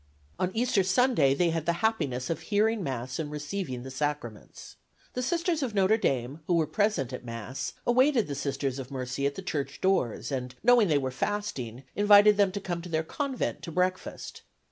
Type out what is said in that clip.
On Easter Sunday they had the happiness of hearing Mass and receiving the sacraments. The Sisters of Notre Dame, who were present at Mass, awaited the Sisters of Mercy at the church doors, and, knowing they were fasting, invited them to come to their convent to breakfast.